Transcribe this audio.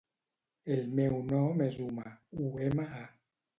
El meu nom és Uma: u, ema, a.